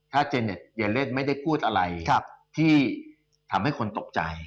ถ้าเจเลสไม่ได้พูดอะไรที่ทำให้คนตกใจ